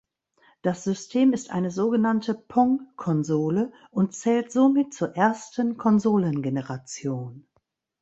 Das System ist eine sogenannte Pong-Konsole und zählt somit zur ersten Konsolengeneration.